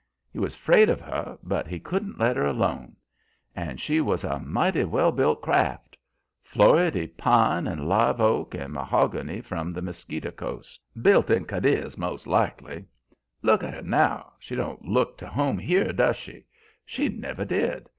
He was 'fraid of her, but he couldn't let her alone. And she was a mighty well built craft. Floridy pine and live oak and mahogany from the Mosquito coast; built in Cadiz, most likely. Look at her now she don't look to home here, does she? She never did.